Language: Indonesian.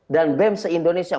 dan bem se indonesia